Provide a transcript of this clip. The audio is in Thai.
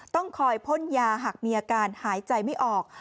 ต้องคอยพ่นยาหากมีอาการหายใจไม่ออก